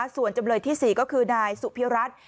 ส่วนจำเลยที่๔ก็คือนายสุพิรัตน์